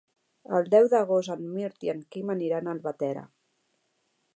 El deu d'agost en Mirt i en Quim aniran a Albatera.